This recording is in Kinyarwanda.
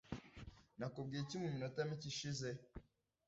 Nakubwiye iki mu minota mike ishize?